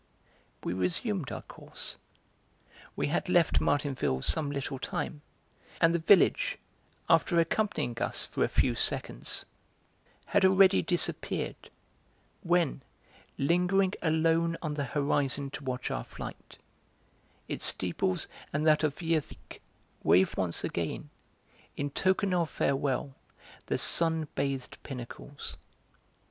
We resumed our course; we had left Martinville some little time, and the village, after accompanying us for a few seconds, had already disappeared, when, lingering alone on the horizon to watch our flight, its steeples and that of Vieuxvicq waved once again, in token of farewell, their sun bathed pinnacles.